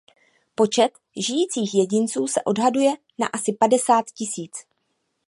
Počet žijících jedinců se odhaduje na asi padesát tisíc.